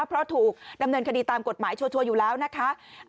เพราะถูกดำเนินคดีตามกฎหมายชัวร์อยู่แล้วนะคะ